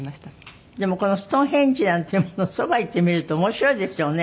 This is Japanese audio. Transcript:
でもこのストーンヘンジなんていうものそばへ行ってみると面白いですよね